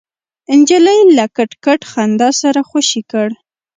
نجلۍ له کټ کټ خندا سره خوشې کړ.